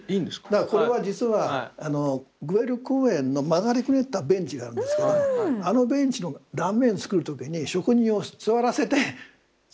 だからこれは実はグエル公園の曲がりくねったベンチがあるんですけどあのベンチの断面作る時に職人を座らせて作ってるんですよ。